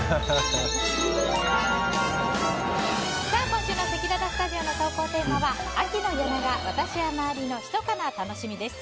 今週のせきららスタジオの投稿テーマは秋の夜長私や周りのひそかな楽しみです。